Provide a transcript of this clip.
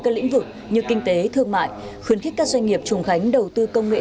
các lĩnh vực như kinh tế thương mại khuyến khích các doanh nghiệp trùng khánh đầu tư công nghệ